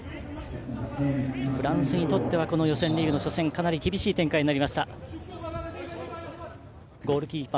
フランスにとってはこの予選リーグの初戦かなり厳しい展開です。